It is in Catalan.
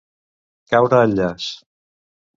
Caure al llaç.